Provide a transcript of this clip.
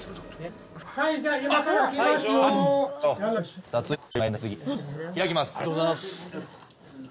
はいじゃあありがとうございます。